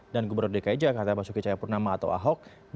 dan gubernur dki jakarta basuki cahayapurnama atau ahok